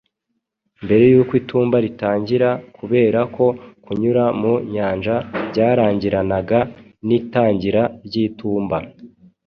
mbere y’uko itumba ritangira kubera ko kunyura mu nyanja byarangiranaga n’itangira ry’itumba